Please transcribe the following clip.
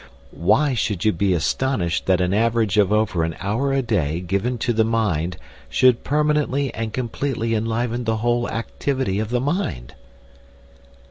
Why should you be astonished that an average of over an hour a day given to the mind should permanently and completely enliven the whole activity of the mind?